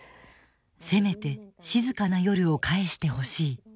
「せめて静かな夜を返してほしい」。